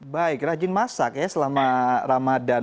baik rajin masak ya selama ramadan